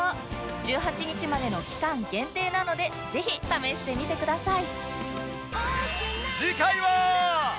１８日までの期間限定なのでぜひ試してみてください